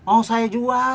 oh saya jual